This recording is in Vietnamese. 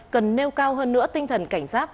cần nêu cao hơn nữa tinh thần cảnh sát